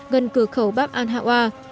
gần cửa khẩu bab al hawa